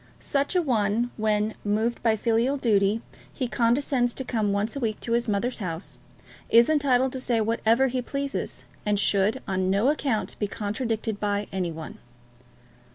Such a one, when, moved by filial duty, he condescends to come once a week to his mother's house, is entitled to say whatever he pleases, and should on no account be contradicted by any one.